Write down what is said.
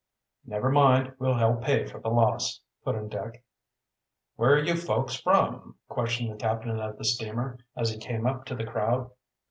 "Never mind, we'll help pay for the loss," put in Dick. "Where are you folks from?" questioned the captain of the steamer, as he came up to, the crowd.